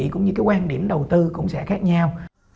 cũng như cái quan điểm đầu tư cũng sẽ khác nhau